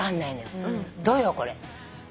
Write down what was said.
どうよこれ。